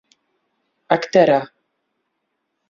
ئەکتەرە.